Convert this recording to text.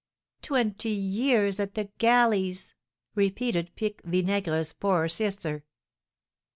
"Twenty years at the galleys!" repeated Pique Vinaigre's poor sister.